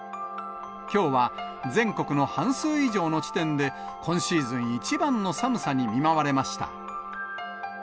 きょうは全国の半数以上の地点で、今シーズン一番の寒さに見舞われました。